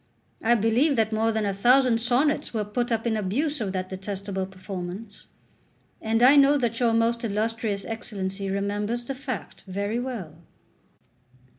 I believe that more than a thousand sonnets were put up in abuse of that detestable performance; and I know that your most illustrious Excellency remembers the fact very well.